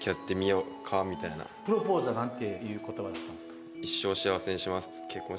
プロポーズは何ていう言葉だったんですか？